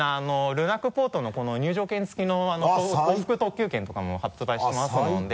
ルナックポートのこの入場券付きの往復特急券とかも発売していますので。